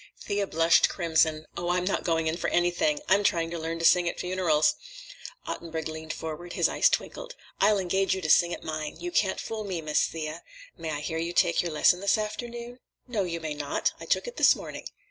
Thea blushed crimson. "Oh, I'm not going in for anything. I'm trying to learn to sing at funerals." Ottenburg leaned forward. His eyes twinkled. "I'll engage you to sing at mine. You can't fool me, Miss Thea. May I hear you take your lesson this afternoon?" "No, you may not. I took it this morning."